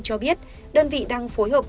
cho biết đơn vị đang phối hợp